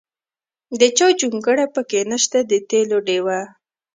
د چا جونګړه پکې نشته د تېلو ډیوه.